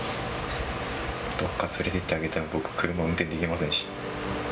どっか連れていってあげたくても、僕、車運転できませんし。